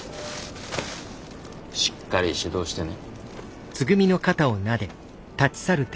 しっかり指導してね。